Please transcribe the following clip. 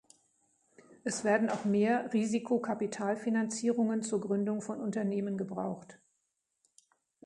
Es werden auch mehr Risikokapitalfinanzierungen zur Gründung von Unternehmen gebraucht.